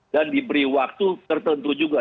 dan diberi waktu tertentu juga